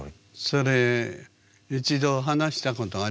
それ一度話したことありますか？